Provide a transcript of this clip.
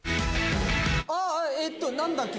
えっと何だっけ？